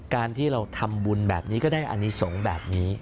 การที่เราทำบุญแบบนี้ก็ได้อนิสงฆ์แบบนี้